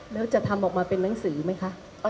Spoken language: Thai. แล้วจะทำออกมาเป็นหนังสือไหมคะ